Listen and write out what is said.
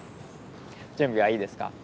準備はいいですか？